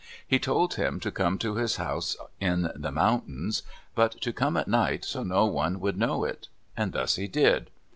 He told him to come to his house in the mountains, but to come at night so no one would know it. Thus he did.